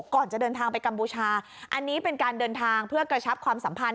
ก่อนจะเดินทางไปกัมพูชาอันนี้เป็นการเดินทางเพื่อกระชับความสัมพันธ